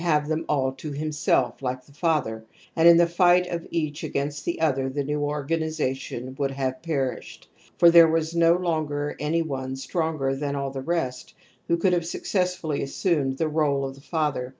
^ INFANTILE RECURRENCE OF TOTEMISM 289 them all to himself like the father, and in the fight of each against the other the new organiza tion would have perished. For there was no longer any one stronger than all the rest who could have successfully assimied the r61e of the father.